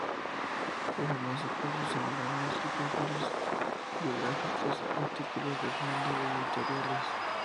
Fue famoso por sus semblanzas y perfiles biográficos, artículos de fondo y editoriales.